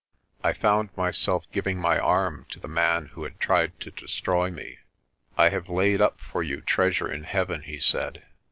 I found myself giving my arm to the man who had tried to destroy me. "I have laid up for you treasure in heaven," he said.